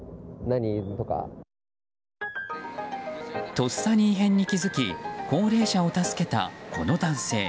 とっさに異変に気づき高齢者を助けた、この男性。